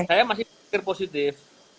saya masih pikir positif